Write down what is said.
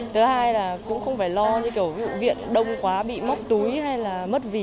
thứ hai là cũng không phải lo như kiểu viện đông quá bị móc túi hay là mất vị